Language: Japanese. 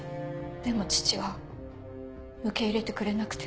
でも父は受け入れてくれなくて。